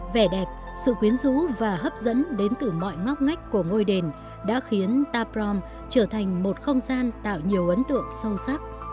vẻ đẹp sự quyến rũ và hấp dẫn đến từ mọi ngóc ngách của ngôi đền đã khiến taprom trở thành một không gian tạo nhiều ấn tượng sâu sắc